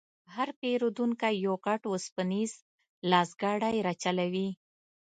هر پېرونکی یو غټ وسپنیز لاسګاډی راچلوي.